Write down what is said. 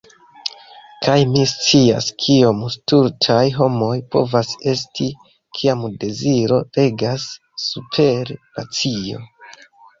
Kaj mi scias kiom stultaj homoj povas esti, kiam deziro regas super racio....